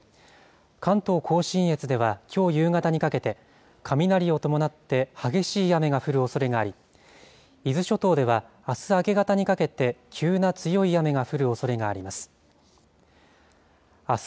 関東甲信越ではきょう夕方にかけて、雷を伴って激しい雨が降るおそれがあり、伊豆諸島ではあす明け方にかけて急な強い雨が降るおそれがあります。